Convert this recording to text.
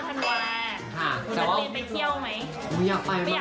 ปรากฏว่าพี่โรดเมย์ที่มาผิดเนี่ยจะจัดรการรึเปล่า